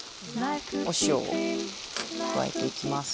お塩を加えていきます。